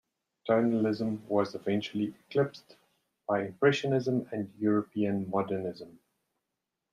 Tonalism was eventually eclipsed by Impressionism and European modernism.